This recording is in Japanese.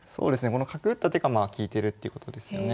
この角打った手が利いてるっていうことですよね。